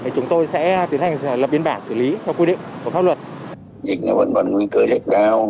chúng tôi sẽ tiến hành lập biên bản xử lý theo quy định của pháp luật